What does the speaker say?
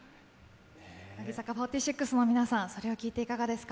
乃木坂４６の皆さん、それを聞いていかがですか。